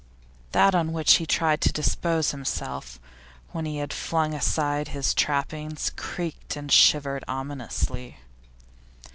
That on which he tried to dispose himself, when he had flung aside his trappings, creaked and shivered ominously.